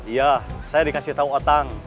iya saya dikasih tahu otak